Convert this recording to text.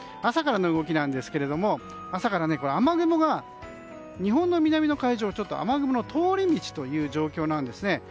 朝からの動きなんですけれども朝から雨雲が日本の南の海上が雨雲の通り道という状況です。